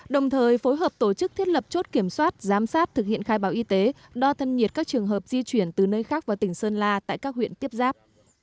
đồng thời phối hợp tổ chức thiết lập chốt kiểm soát giám sát thực hiện khai báo y tế đo thân nhiệt các trường hợp di chuyển từ nơi khác vào tỉnh sơn la tại các huyện tiếp giáp